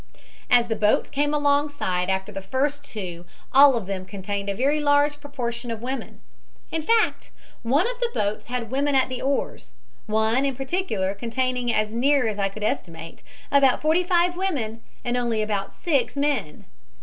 "As the boats came alongside after the first two all of them contained a very large proportion of women. In fact, one of the boats had women at the oars, one in particular containing, as near as I could estimate, about forty five women and only about six men.